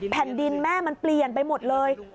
แผ่นดินแม่มันเปลี่ยนไปหมดเลย